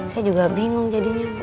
saya juga bingung jadinya